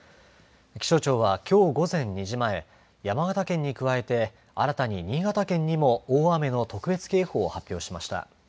気象庁はきょう午前２時前山形県に加えて新たに新潟県にも大雨の特別警報を発表しました。